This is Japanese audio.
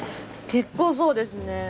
結構そうですね。